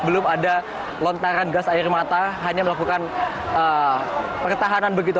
belum ada lontaran gas air mata hanya melakukan pertahanan begitu